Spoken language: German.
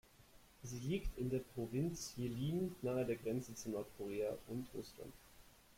Sie liegt in der Provinz Jilin, nahe der Grenze zu Nordkorea und Russland.